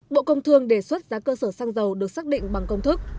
bộ công thương đề xuất giá cơ sở xăng dầu được xác định bằng công thức